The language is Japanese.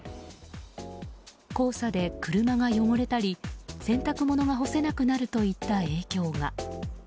黄砂で車が汚れたり、洗濯物が干せなくなるといった影響が。